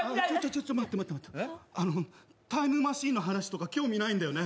ちょっと待って待ってタイムマシンの話とか興味ないんだよね。